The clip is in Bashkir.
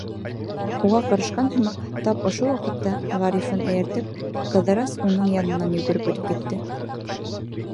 Уға ҡарышҡан һымаҡ, тап ошо ваҡытта, Ғарифын эйәртеп, Ҡыҙырас уның янынан йүгереп үтеп китте.